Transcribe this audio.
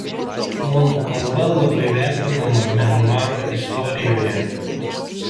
Monų kalba labai vertinama Mianmaro istorijoje.